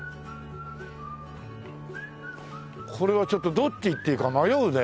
これはちょっとどっち行っていいか迷うね。